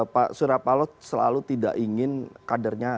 pak surapalo selalu tidak ingin kadernya